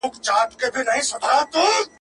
ستاسو ملاتړ موږ ته ځواک راکوي.